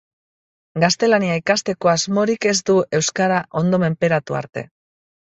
Gaztelania ikasteko asmorik ez du euskara ondo menperatu arte.